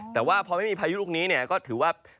แต่ว่าพอไม่มีพายุลูกนี้เนี่ยก็ถือว่า